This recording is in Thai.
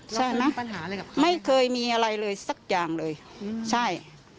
ใช่นะไม่เคยมีอะไรเลยสักอย่างเลยใช่